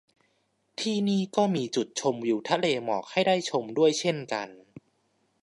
ที่นี่ก็มีจุดชมวิวทะเลหมอกให้ได้ชมด้วยเช่นกัน